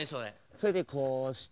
それでこうして。